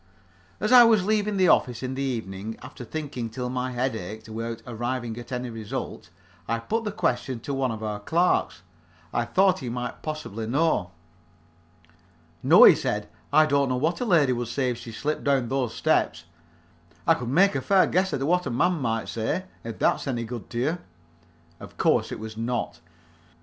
As I was leaving the office, in the evening, after thinking till my head ached without arriving at any result, I put the question to one of our clerks. I thought he might possibly know. "No," he said, "I don't know what a lady would say if she slipped down those steps. I could make a fair guess at what a man would say, if that's any good to you." Of course it was not.